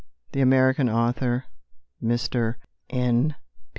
The American author, Mr. N.